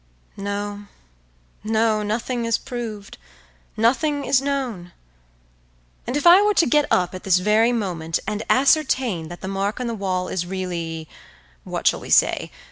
No, no, nothing is proved, nothing is known. And if I were to get up at this very moment and ascertain that the mark on the wall is really—what shall we say?